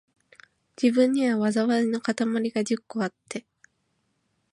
自分には、禍いのかたまりが十個あって、